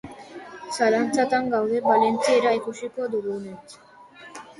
Zalantzatan gaude valentziera ikasiko dugunentz.